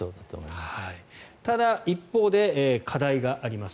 ただ、一方で課題があります。